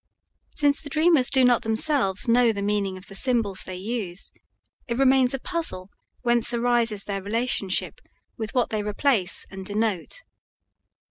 Since the dreamers do not themselves know the meaning of the symbols they use, it remains a puzzle whence arises their relationship with what they replace and denote.